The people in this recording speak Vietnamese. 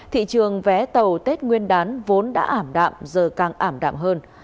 thị trường vé tàu tết nguyên đán vốn đã ảm đạm giờ càng ảm đạm hơn